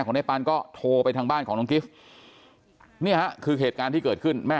คุณพันก็โทรไปทางบ้านของติดเนี่ยคือเหตุการที่เกิดขึ้นแม่